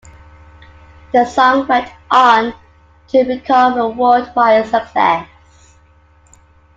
The song went on to become a worldwide success.